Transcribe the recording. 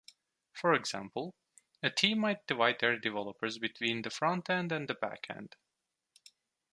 For example, a team might divide their developers between the front-end and the back-end.